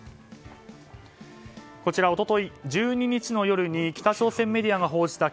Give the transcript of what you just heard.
こちら、一昨日１２日の夜に北朝鮮メディアが報じた